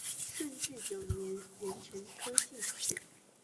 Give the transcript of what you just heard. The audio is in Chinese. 顺治九年壬辰科进士。